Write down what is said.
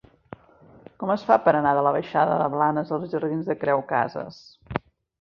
Com es fa per anar de la baixada de Blanes als jardins de Creu Casas?